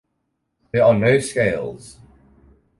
There are no scales.